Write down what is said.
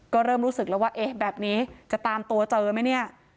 ก็เริ่มรู้สึกแล้วว่าเอ๊ะแบบนี้จะตามตัวเจอไหมเนี่ย